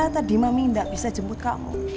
tadi mami tidak bisa jemput kamu